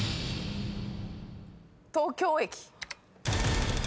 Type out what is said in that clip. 東京駅。